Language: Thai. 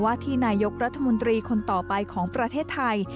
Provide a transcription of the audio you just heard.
ที่นายกรัฐมนตรีคนต่อไปของประเทศไทย